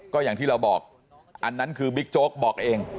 ก็อย่างที่เราบอกอันนั้นคือบิ๊กโจ๊กบอกเอง